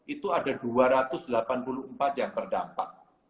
itu ada dua ratus delapan puluh empat yang terdampak